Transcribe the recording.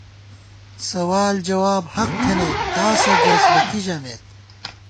سوال جواب حق تھنَئیت تاسہ گَئیسبَہ کی ژَمېت